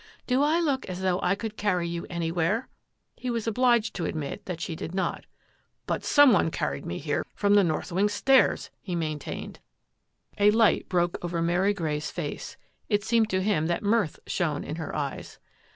" Do I look as though I could carry you anywhere? " He was obliged to admit that she did not. " But some one carried me here from the north wing stairs," he maintained. A light broke over Mary Grey's face. It seemed to him that mirth shone in her eyes.